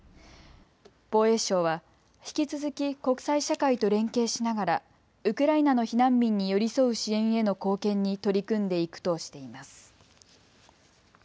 防衛省は引き続き国際社会と連携しながらウクライナの避難民に寄り添う支援への貢献に取り組んでいくとしています。